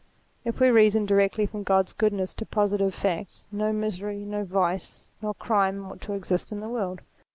If we reason directly from God's goodness to positive facts, no misery, nor vice nor crime ought to exist in the world.